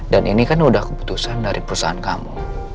dan ini kan udah keputusan dari perusahaan kamu